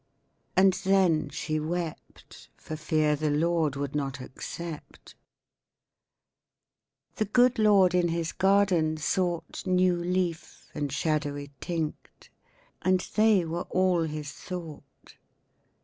And then she wept For fear the Lord would not accept. The good Lord in His garden sought New leaf and shadowy tinct. And they were all his thought.